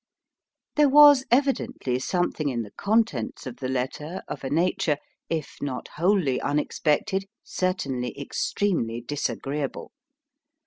There was, evidently, something in the contents of the letter, of a nature, if not wholly unexpected, certainly extremely disagreeable.